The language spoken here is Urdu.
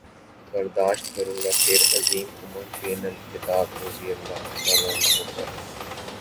برداشت کروں گا پھر عظیم عمر بن الخطاب رض کا